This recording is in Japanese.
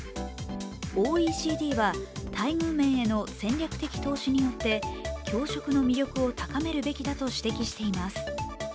ＯＥＣＤは待遇面への戦略的投資によって、教職の魅力を高めるべきだと指摘しています。